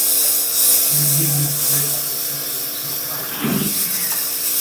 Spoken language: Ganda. Buli bizinensi yeetaaga okusasula omusolo gwayo mu budde.